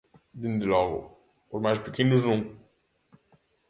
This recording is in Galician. Dende logo, os máis pequenos non.